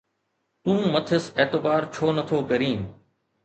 تون مٿس اعتبار ڇو نٿو ڪرين؟